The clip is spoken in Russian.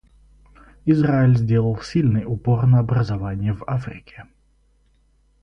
Израиль сделал сильный упор на образование в Африке.